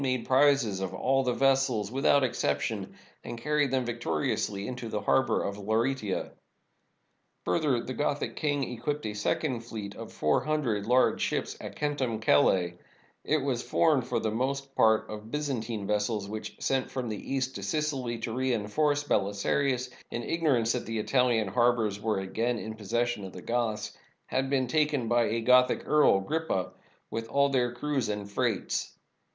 ade prizes of all the vessels without exception, and carried them victoriously into the harbor of Laureata. Further, the Gothic king equipped a second fleet of four hundred large 552 PEACE WITH THE GOTHS OR WAR? ships at Centumcellae, It was formed for the most part of Byzantine vessels, which, sent from the East to Sicily to reinforce Belisarius, in ignorance that the Italian har bors were again in possession of the Goths, had been taken by a Gothic earl, Grippa, with all their crews and freights.